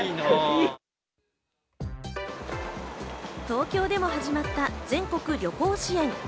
東京でも始まった全国旅行支援。